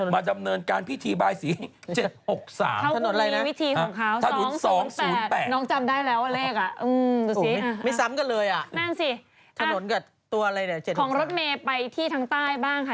บางที่ทางใต้บ้างค่ะ